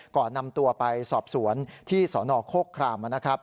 ก่อนนำตัวไปสอบสวนที่สนโครครามนะครับ